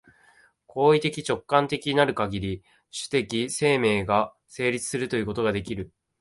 行為的直観的なるかぎり、種的生命が成立するということができる。